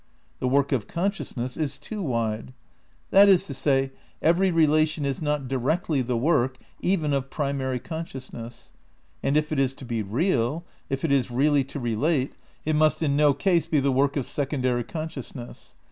"The work of consciousness" is too wide. That is to say, every relation is not directly the "work" even of pri mary consciousness, and if it is to be real, if it is really to relate, it must in no case be the work of secondary consciousness.